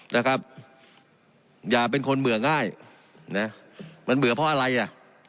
นะครับอย่าเป็นคนเบื่อง่ายนะมันเบื่อเพราะอะไรอ่ะ